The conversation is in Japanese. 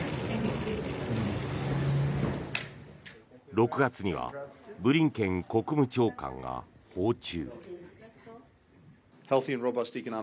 ６月にはブリンケン国務長官が訪中。